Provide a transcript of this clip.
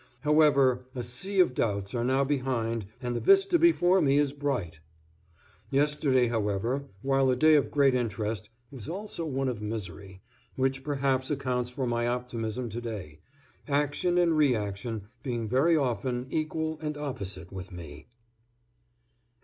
However, a sea of doubts are now behind and the vista before me is bright. Yesterday, however, while a day of great interest, was also one of misery, which perhaps accounts for my optimism to day, action and reaction being very often equal and opposite with me.